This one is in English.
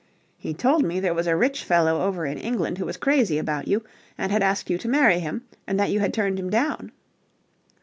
"He told me there was a rich fellow over in England who was crazy about you and had asked you to marry him, and that you had turned him down."